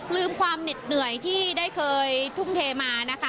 ลืมความเหน็ดเหนื่อยที่ได้เคยทุ่มเทมานะคะ